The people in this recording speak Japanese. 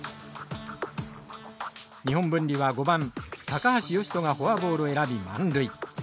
日本文理は５番高橋義人がフォアボールを選び満塁。